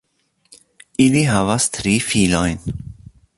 Ili havas tri filojn.